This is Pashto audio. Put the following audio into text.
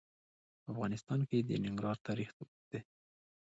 په افغانستان کې د ننګرهار تاریخ اوږد دی.